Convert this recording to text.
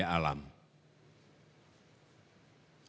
penyelamatan sumber daya alam